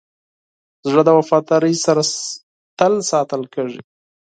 زړه د وفادارۍ سره تل ساتل کېږي.